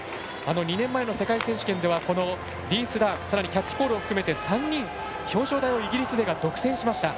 ２年前の世界選手権ではリース・ダンキャッチポールを含めて３人、表彰台をイギリス勢が独占しました。